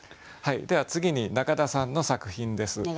では次に中田さんの作品です。